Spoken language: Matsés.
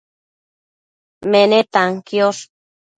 menetan quiosh